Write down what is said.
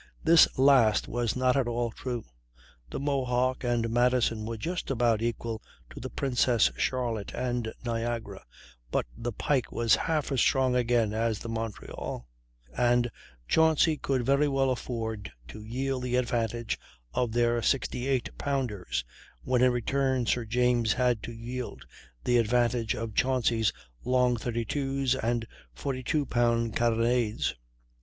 This last was not at all true. The Mohawk and Madison were just about equal to the Princess Charlotte and Niagara: but the Pike was half as strong again as the Montreal; and Chauncy could very well afford to "yield the advantage of their 68 pounders," when in return Sir James had to yield the advantage of Chauncy's long 32's and 42 pound carronades.